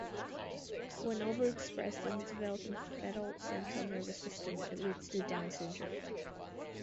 When over-expressed in the developing fetal central nervous system, it leads to Down syndrome.